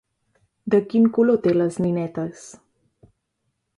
De quin color té les ninetes?